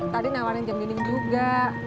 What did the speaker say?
tadi nawarin jam dining juga